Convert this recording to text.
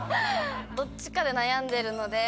どっちかで悩んでるので。